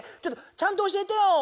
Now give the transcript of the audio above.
ちゃんと教えてよ！